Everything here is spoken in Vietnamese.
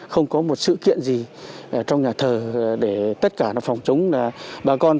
không có một sự kiện gì trong nhà thờ